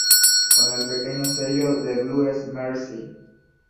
Con el pequeño sello de blues Mercy!